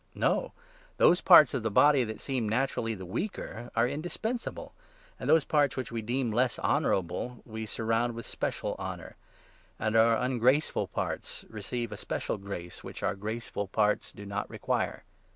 No ! Those parts of the body that 22 seem naturally the weaker are indispensable ; and those parts 23 which we deem less honourable we surround with special honour ; and our ungraceful parts receive a special grace which our graceful parts do not require.